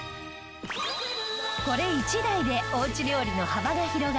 これ一台でおうち料理の幅が広がる